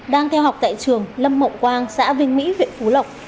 đang theo học tại trường lâm mậu quang xã vinh mỹ huyện phú lộc